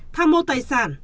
tham mô tài sản